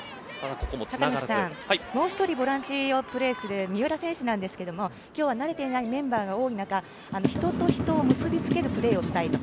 もう１人ボランチをプレーする三浦選手なんですが今日は慣れていないメンバーが多い中、人と人を結び付けるプレーをしたいと。